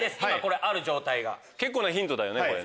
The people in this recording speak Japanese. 結構なヒントだよねこれ。